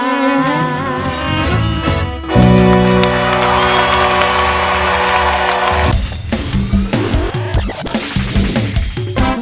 ธนียามีน